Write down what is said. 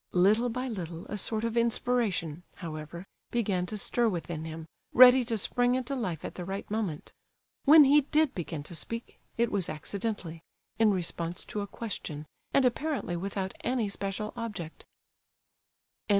Little by little a sort of inspiration, however, began to stir within him, ready to spring into life at the right moment. When he did begin to speak, it was accidentally, in response to a question, and apparently without any special object. VII.